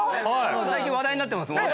・最近話題になってます。